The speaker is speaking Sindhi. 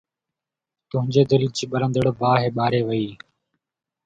تنهنجي دل جي ٻرندڙ باهه ٻاري وئي